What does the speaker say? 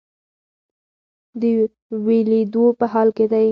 د ویلیدو په حال کې دی.